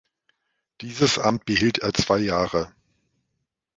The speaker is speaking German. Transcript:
Dieses Amt behielt er zwei Jahre.